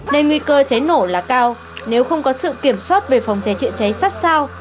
nên nguy cơ cháy nổ là cao nếu không có sự kiểm soát về phòng cháy chữa cháy sát sao